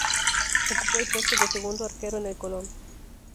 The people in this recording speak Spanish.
Ocupó el puesto de segundo arquero en el Colón.